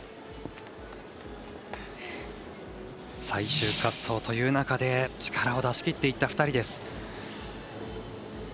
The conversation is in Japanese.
最終滑走という中で力を出しきっていった２人です。